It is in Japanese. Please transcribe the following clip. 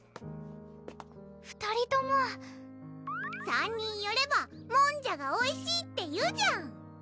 ２人とも３人寄ればもんじゃがおいしいっていうじゃん！